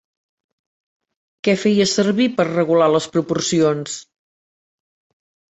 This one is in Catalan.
Què feia servir per regular les proporcions?